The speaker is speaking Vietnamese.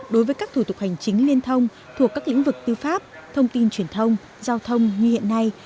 đối với các thủ tục hành chính liên thông thuộc các lĩnh vực tư pháp thông tin truyền thông giao thông như hiện nay